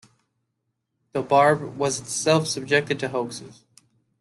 The "Barb" was itself subjected to hoaxes.